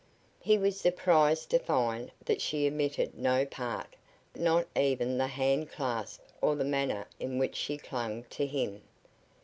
He was surprised to find that she omitted no part, not even the hand clasp or the manner in which she clung to him.